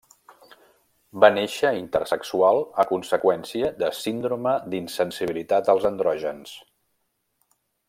Va néixer intersexual a conseqüència de síndrome d'insensibilitat als andrògens.